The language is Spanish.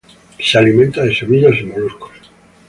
Se alimenta de semillas y moluscos.